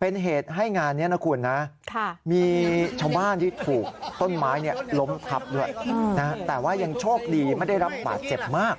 เป็นเหตุให้งานนี้นะคุณนะมีชาวบ้านที่ถูกต้นไม้ล้มทับด้วยแต่ว่ายังโชคดีไม่ได้รับบาดเจ็บมาก